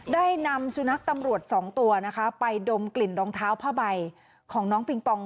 ได้นำสุนัขตำรวจสองตัวนะคะไปดมกลิ่นรองเท้าผ้าใบของน้องปิงปอง